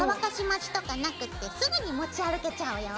待ちとかなくってすぐに持ち歩けちゃうよ。